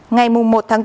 ngày một tháng